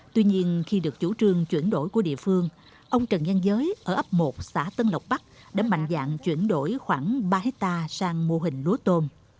tuy nhiên khi được chủ trương chuyển đổi của địa phương ông trần giang giới ở ấp một xã tân lộc bắc đã mạnh dạng chuyển đổi khoảng ba hectare sang mô hình lúa tôm